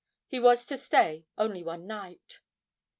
He was to stay only one night.